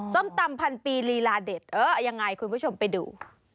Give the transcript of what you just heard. ส้มตำพันปีลีลาเด็ดเออยังไงคุณผู้ชมไปดู